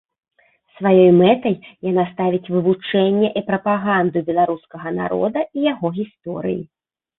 Сваёй мэтай яна ставіць вывучэнне і прапаганду беларускага народа і яго гісторыі.